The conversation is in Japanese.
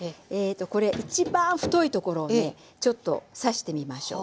これ一番太いところをねちょっと刺してみましょう。